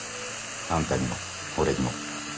あんたにも俺にも。